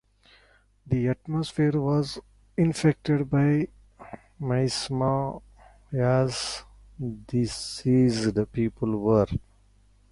The atmosphere was infected by miasma, as diseased people were.